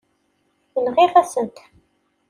Nɣiɣ-asen-t.